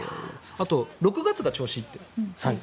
あと、６月が調子いいって。